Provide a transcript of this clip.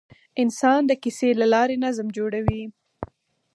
انسان د کیسې له لارې نظم جوړوي.